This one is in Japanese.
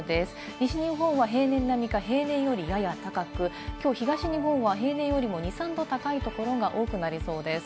西日本は平年並みか平年よりやや高く、今日、東日本は平年よりも２３度高い所が多くなりそうです。